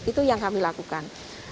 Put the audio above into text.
itu yang kami lakukan